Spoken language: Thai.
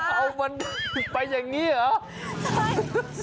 เอามันไปอย่างนี้เหรอ